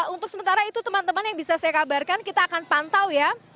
untuk sementara itu teman teman yang bisa saya kabarkan kita akan pantau ya